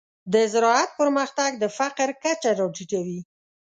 د زراعت پرمختګ د فقر کچه راټیټوي.